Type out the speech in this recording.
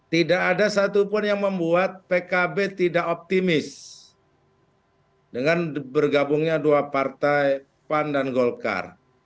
tidak ada satupun yang membuat pkb tidak optimis dengan bergabungnya dua partai pan dan golkar